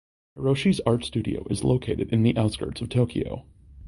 Haroshi’s art studio in located in the outskirts of Tokyo.